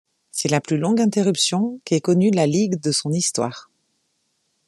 C'est la plus longue interruption qu'ait connue la ligue de son histoire.